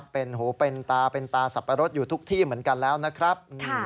เป็นหูเป็นตาเป็นตาสับปะรดอยู่ทุกที่เหมือนกันแล้วนะครับ